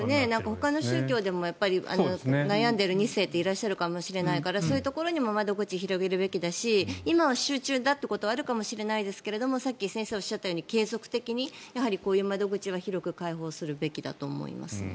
ほかの宗教でも悩んでいる２世っていらっしゃるかもしれないからそういうところにも窓口を広げるべきだし今は集中だということはあるかもしれないですがさっき先生がおっしゃったように継続的にやはりこういう窓口は広く開放するべきだと思います。